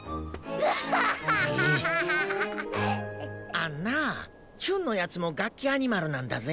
あんなあヒュンのやつもガッキアニマルなんだぜ？